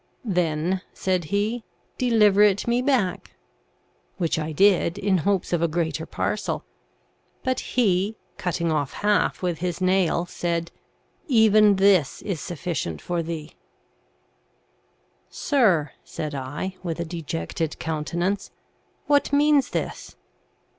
'Then,' said he, 'Deliver it me back :' which I did, in hopes of a greater parcel ; but lie, cutting off half with his nail, said :' Even this is sufficient 86 THE SEVEN FOLLIES OF SCIENCE for thee.' ' Sir,' said I, with a dejected countenance, * what means this